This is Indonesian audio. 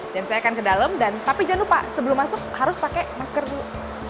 dan saya akan ke dalam tapi jangan lupa sebelum masuk harus pakai masker dulu